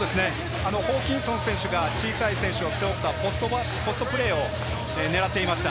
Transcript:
ホーキンソン選手が小さい選手を背負ったポストプレーを狙っていました。